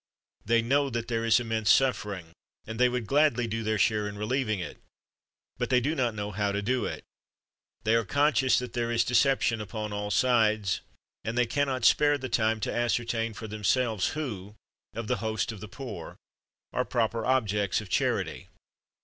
They know that there is immense suffering, and they would gladly do their share in relieving it. But they do not know how to do it. They are conscious that there is deception upon all sides, and they cannot spare the time to ascertain for themselves who, of the host of the poor, are proper objects of charity.